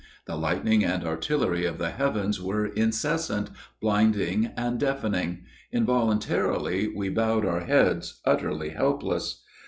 The lightning and artillery of the heavens were incessant, blinding, and deafening; involuntarily we bowed our heads, utterly helpless.